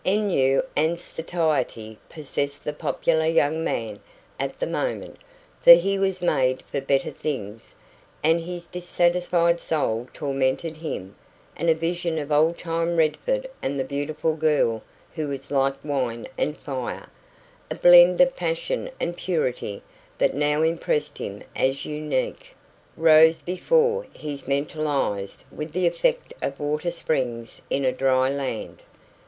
Ennui and satiety possessed the popular young man at the moment for he was made for better things, and his dissatisfied soul tormented him; and a vision of old time Redford and the beautiful girl who was like wine and fire, a blend of passion and purity that now impressed him as unique, rose before his mental eyes with the effect of water springs in a dry land.